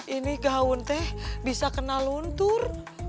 ini gaun teh bisa kena luntur